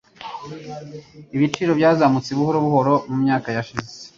Ibiciro byazamutse buhoro buhoro mumyaka yashize.